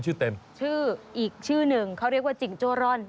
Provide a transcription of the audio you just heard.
เต็มชื่ออีกชื่อหนึ่งเขาเรียกว่าจิงโจ้ร่อน